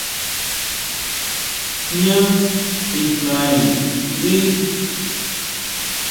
¿Jñá tijnaene ndí?